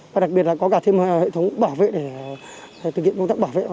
và đặc biệt là có cả thêm hệ thống bảo vệ để thực hiện công tác bảo vệ